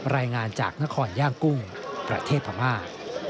รายงานจากนครย่างกุ้งประเทศพม่า